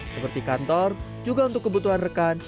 seperti kantor juga untuk kebutuhan rekan